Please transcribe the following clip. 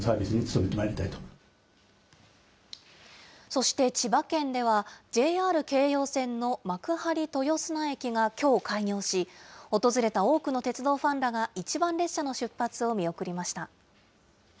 そして千葉県では、ＪＲ京葉線の幕張豊砂駅がきょう開業し、訪れた多くの鉄道ファンらが一番列車の出発を見送りました。